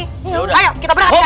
yaudah ayo kita berhati hati